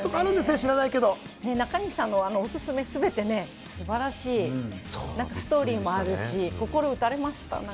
中西さんのおすすめ、全てね、素晴らしいストーリーもあるし、心打たれました。